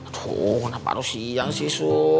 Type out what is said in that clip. aduh kenapa harus siang sih su